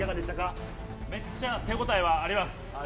めっちゃ手応えはあります。